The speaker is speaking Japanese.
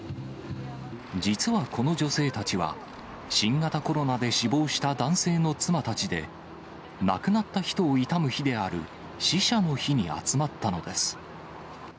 実はこの女性たちは、新型コロナで死亡した男性の妻たちで、亡くなった人を悼む日である、死者の日に集まったのです。